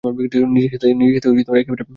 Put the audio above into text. নিজের সাথে একবারে মিশে গেছে।